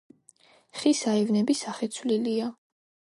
ხის აივნები სახეცვლილია.